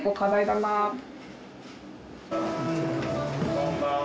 こんばんは。